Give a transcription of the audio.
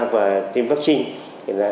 và tiêm vaccine